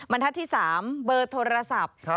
บรรทัดที่๓เบอร์โทรศัพท์